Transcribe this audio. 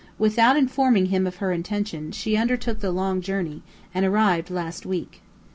Without informing him of her intention, she undertook the long journey, and arrived last week.